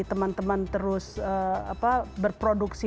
teman teman terus berproduksi